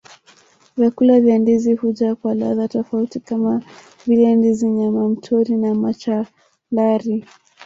Vyakula vya ndizi huja kwa ladha tofauti kama vile ndizi nyama mtori na machalari